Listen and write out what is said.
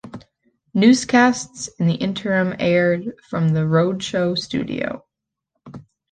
Newscasts in the interim aired from "The Rhode Show" studio.